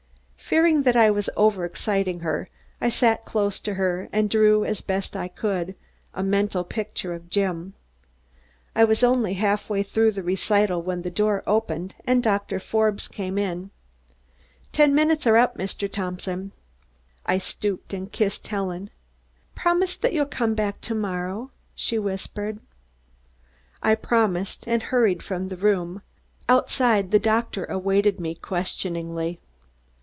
Fearing that I was over exciting her, I sat close to her and drew as best I could a mental picture of Jim. I was only half way through the recital when the door opened and Doctor Forbes came in. "The ten minutes are up, Mr. Thompson." I stooped and kissed Helen. "Promise that you'll come back to morrow," she whispered. I promised and hurried from the room. Outside the doctor awaited me questioningly.